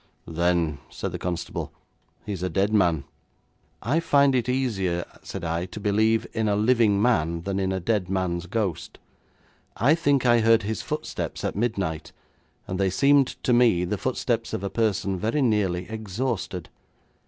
'Then,' said the constable, 'he is a dead man.' 'I find it easier,' said I, 'to believe in a living man than in a dead man's ghost. I think I heard his footsteps at midnight, and they seemed to me the footsteps of a person very nearly exhausted.